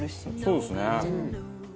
そうですね。